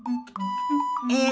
え